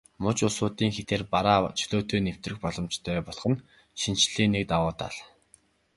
Муж улсуудын хилээр бараа чөлөөтэй нэвтрэх боломжтой болох нь шинэчлэлийн нэг давуу тал.